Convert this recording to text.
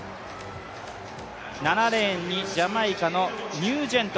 ７レーンにジャマイカのニュージェント。